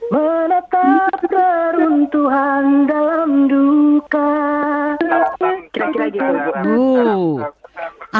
menetap teruntuhan dalam duka